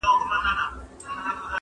تا کاسه خپله وهلې ده په لته٫